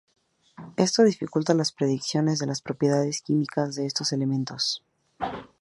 Esto dificulta la predicción de las propiedades químicas de estos elementos.